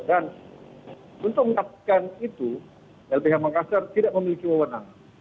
dan untuk mengungkapkan itu lbh makassar tidak memiliki wewenang